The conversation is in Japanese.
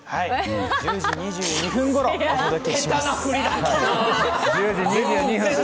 １０時２２分ごろお届けします。